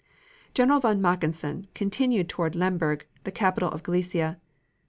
General von Mackensen continued toward Lemberg, the capital of Galicia.